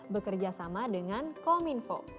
bekerja sama dengan kominfo